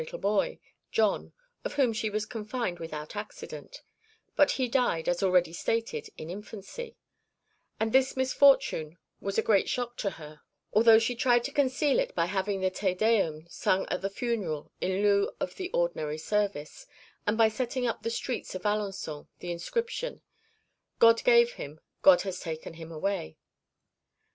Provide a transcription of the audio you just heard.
She had centred many hopes upon her little boy, John, of whom she was confined without accident, but he died, as already stated, in infancy, and this misfortune was a great shock to her, though she tried to conceal it by having the Te Deum sung at the funeral in lieu of the ordinary service, and by setting up in the streets of Alençon the inscription, "God gave him, God has taken him away."